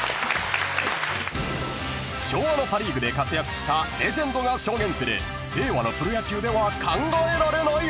［昭和のパ・リーグで活躍したレジェンドが証言する令和のプロ野球では考えられない話］